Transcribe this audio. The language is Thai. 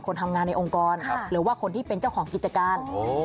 คนทำงานในองค์กรหรือว่าคนที่เป็นเจ้าของกิจการ